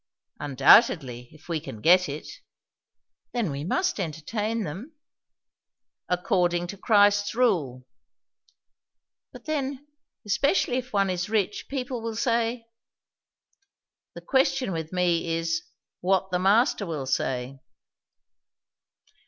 "Undoubtedly, if we can get it." "Then we must entertain them." "According to Christ's rule." "But then, especially if one is rich, people will say " "The question with me is, what the Master will say."